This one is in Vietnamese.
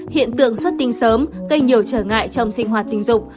hiện tượng xuất tinh sớm gây nhiều trở ngại trong sinh hoạt tình dục